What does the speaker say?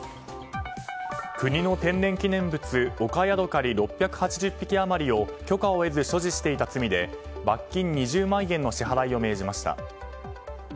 国の天然記念物オカヤドカリ６８０匹余りを許可を得ず所持していた罪で罰金２０万円の支払いを命じました。